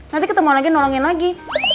nanti ketemu lagi nolongin lagi